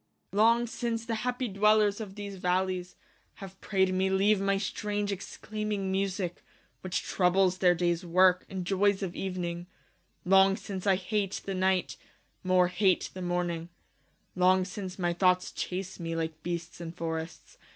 Long since the happie dwellers of these vallies, Have praide me leave my strange exclaiming musique , Which troubles their dayes worke, and joyes of evening : Long since I hate the night , more hate the morning : Long since my thoughts chase me like beasts in for rests.